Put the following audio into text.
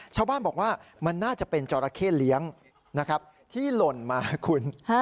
ชาวบ้านบอกว่ามันน่าจะเป็นจราเข้เลี้ยงนะครับที่หล่นมาคุณ